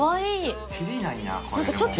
切りないな。